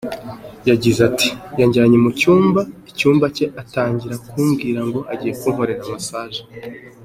Yagize ati “Yanjyanye mu cyumba, icyumba cye, atangira kumbwira ngo agiye kunkorera massage.